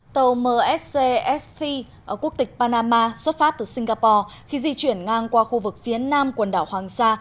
tàu mscs quốc tịch panama xuất phát từ singapore khi di chuyển ngang qua khu vực phía nam quần đảo hoàng sa